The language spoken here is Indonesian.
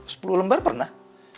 sepuluh lembar pernah